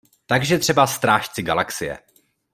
Takže třeba Strážci galaxie.